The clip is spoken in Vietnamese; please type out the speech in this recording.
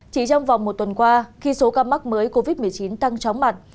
chỉ trong vòng một tuần qua khi số ca mắc mới covid một mươi chín tăng chóng mặt